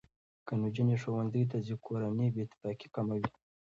که نجونې ښوونځي ته ځي، کورنۍ بې اتفاقي کمه وي.